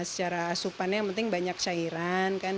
secara asupannya yang penting banyak cairan kan